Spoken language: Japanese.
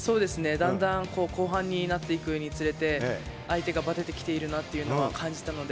だんだん後半になっていくにつれて、相手がばててきているなというのは感じたので。